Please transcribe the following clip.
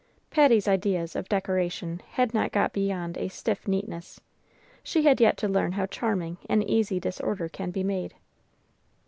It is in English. Patty's ideas of decoration had not got beyond a stiff neatness. She had yet to learn how charming an easy disorder can be made.